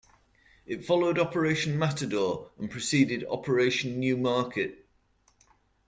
It followed Operation Matador, and preceded Operation New Market.